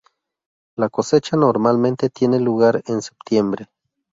La cosecha normalmente tiene lugar en septiembre.